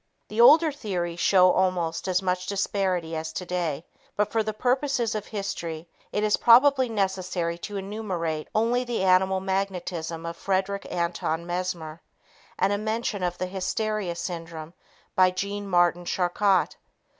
The older theories show almost as much disparity as today, but for the purposes of history it is probably necessary to enumerate only the "animal magnetism" of Frederick Anton Mesmer, and a mention of the "hysteria syndrome" of Jean Martin Charcot.